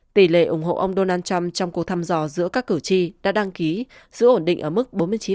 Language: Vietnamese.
tỷ lệ ủng hộ ông donald trump trong cuộc thăm dò giữa các cử tri đã đăng ký giữ ổn định ở mức bốn mươi chín